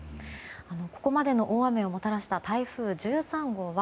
ここまでの大雨をもたらした台風１３号は